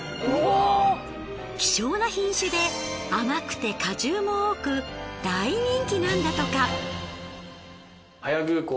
希少な品種で甘くて果汁も多く大人気なんだとか。